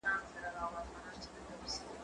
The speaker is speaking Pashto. دا اوبه له هغو تازه دي؟